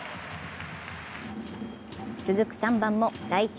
続く３番も代表